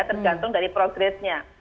tergantung dari progresnya